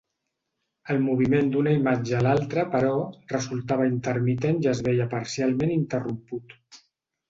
El moviment d'una imatge a l'altra però, resultava intermitent i es veia parcialment interromput.